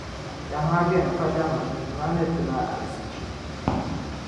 Tamaha beni kadama n Duuma ni ti ma arizichi.